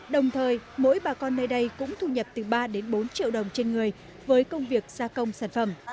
đồng thời mỗi bà con nơi đây cũng thu nhập từ ba đến bốn triệu đồng trên người với công việc gia công sản phẩm